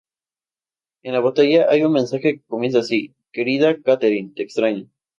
En la botella hay un mensaje que comienza así: "Querida Catherine, te extraño".